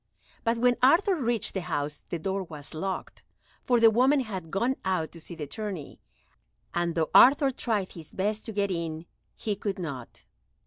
But when Arthur reached the house the door was locked, for the women had gone out to see the tourney, and, though Arthur tried his best to get in, he could not.